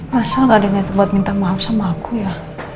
masa gak ada niat buat minta maaf sama aku ya